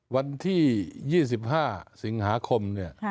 วันที่๒๕สิงหาคม